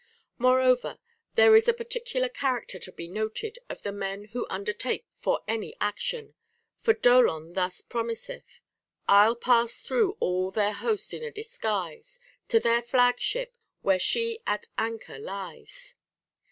Moreover, there is a particular character to be noted of the men who undertake for any action. For Dolon thus promiseth :— I'll pass through all their host in a disguise To their flag ship, where she at anchor lies.